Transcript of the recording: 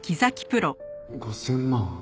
５０００万。